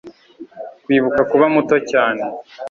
kwibuka kuba muto cyane